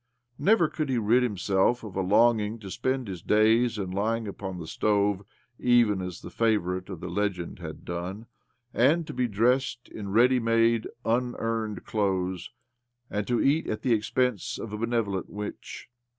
Never could he rid himself of a longing to spend his days in lying upon the stove (even as the favourite of the legend had done), OBLOMOV 1 1 1 and to be dressed in ready made^ unearned сіойіез, and to eat at the expense of a benevolent witch.